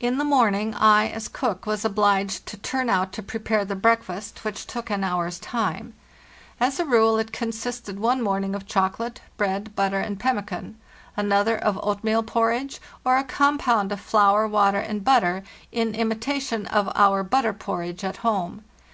In the morning I, as cook, was obliged to turn out to prepare the breakfast, which took an hour's time. Asa rule, it consisted one morning of chocolate, bread, butter, and pemmican; another of oatmeal porridge, or a com pound of flour, water, and butter, in imitation of our "butter porridge" at home.